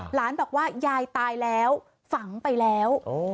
หลานบอกว่ายายตายแล้วฝังไปแล้ว